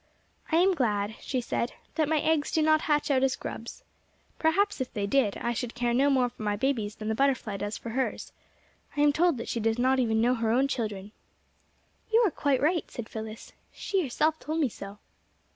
"I am glad," she said, "that my eggs do not hatch out as grubs. Perhaps if they did, I should care no more for my babies than the butterfly does for hers. I am told that she does not even know her own children." "You are quite right," said Phyllis. "She herself told me so."